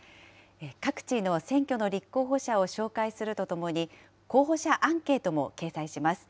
各地の選挙の立候補者を紹介するとともに、候補者アンケートも掲載します。